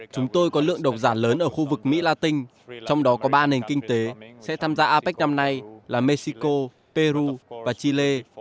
chúng tôi có lượng độc giả lớn ở khu vực mỹ la tinh trong đó có ba nền kinh tế sẽ tham gia apec năm nay là mexico peru và chile